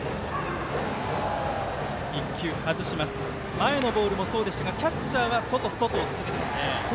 前のボールもそうでしたがキャッチャーは外、外を続けてきますね。